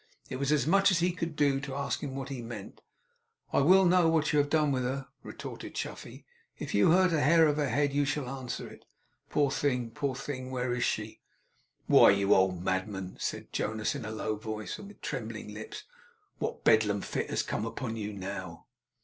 It was as much as he could do to ask him what he meant. 'I will know what you have done with her!' retorted Chuffey. 'If you hurt a hair of her head, you shall answer it. Poor thing! Poor thing! Where is she?' 'Why, you old madman!' said Jonas, in a low voice, and with trembling lips. 'What Bedlam fit has come upon you now?